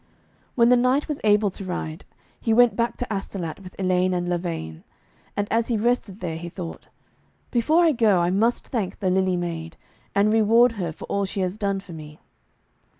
When the knight was able to ride, he went back to Astolat with Elaine and Lavaine. And as he rested there, he thought, 'Before I go, I must thank the Lily Maid, and reward her for all she has done for me.'